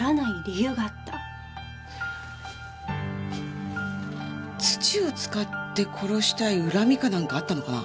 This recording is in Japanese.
土を使って殺したい恨みかなんかあったのかな？